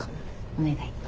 お願い。